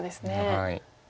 はい。